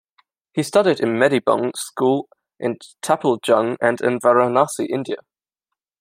He studied in Medibung School in Taplejung and in Varanasi, India.